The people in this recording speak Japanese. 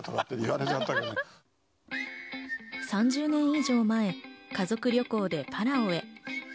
３０年以上前、家族旅行でパラオへ。